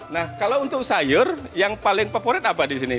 nah kalau untuk sayur yang paling favorit apa di sini